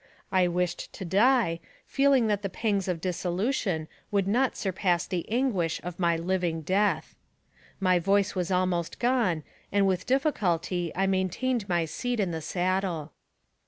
I wished to die, feeling that the pangs of dissolution could not surpass the anguish AMONG THE SIOUX INDIANS. 61 of my living death. My voice was almost gone, and with difficulty I maintained my seat in the saddle.